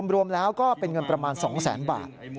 รวมแล้วก็เป็นเงินประมาณ๒แสนบาท